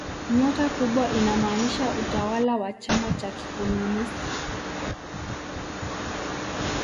Nyota kubwa inamaanisha utawala wa chama cha kikomunisti.